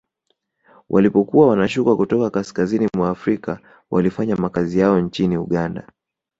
Walipokuwa wanashuka kutoka kaskazini mwa Afrika walifanya makazi yao nchini Uganda